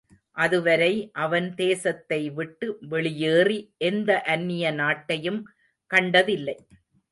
அதுவரை அவன் தேசத்தை விட்டு வெளியேறி எந்த அந்நிய நாட்டையும் கண்டதில்லை.